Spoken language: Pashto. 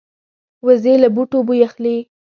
وزې له بوټو بوی اخلي